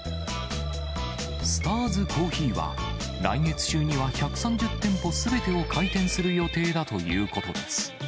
スターズコーヒーは、来月中には１３０店舗すべてを開店する予定だということです。